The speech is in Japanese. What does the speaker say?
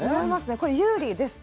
これ有利ですか？